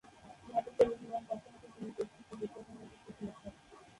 নাটকে অভিনয়ের পাশাপাশি তিনি বেশ কিছু বিজ্ঞাপনে উপস্থিত হয়েছেন।